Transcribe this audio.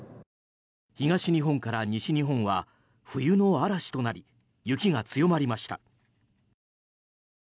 東日本から西日本は冬の嵐となり雪が強まりました。